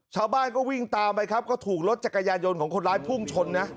ชาวบ้านก็วิ่งตามไปครับก็ถูกรถจักรยานยนต์ของคนร้ายพุ่งชนนะ